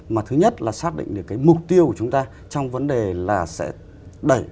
mà thứ nhất là xác định được cái mục tiêu của chúng ta trong vấn đề là sẽ đẩy